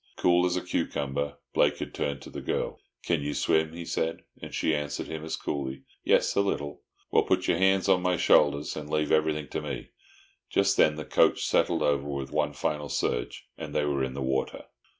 Cool as a cucumber, Blake had turned to the girl. "Can you swim?" he said. And she answered him as cooly, "Yes, a little." "Well, put your hands on my shoulders, and leave everything to me." Just then the coach settled over with one final surge, and they were in the water.